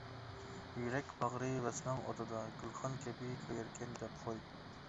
يۈرەك باغرى ۋەسلىڭ ئوتىدا، گۈلخان كەبى كۆيەركەن دەپ قوي.